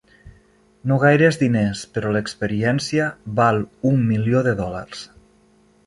No gaires diners, però l'experiència val un milió de dòlars!